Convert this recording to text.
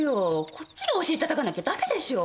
こっちがお尻たたかなきゃダメでしょう。